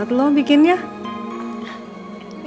bentar lagi ketemu mama ya